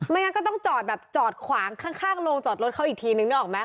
งั้นก็ต้องจอดแบบจอดขวางข้างโรงจอดรถเขาอีกทีนึงนึกออกไหม